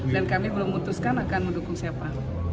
dan kami belum memutuskan akan mendukung siapa